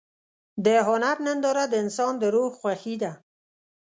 د هنر ننداره د انسان د روح خوښي ده.